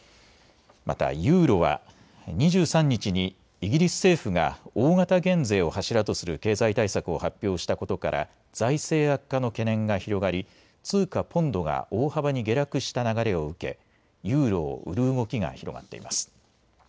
またユーロは２３日にイギリス政府が大型減税を柱とする経済対策を発表したことから財政悪化の懸念が広がり通貨ポンドが大幅に下落した流れを受けユーロを売る動きが広がっています。